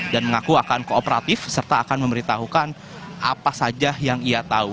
dan mengaku akan kooperatif serta akan memberitahukan apa saja yang ia tahu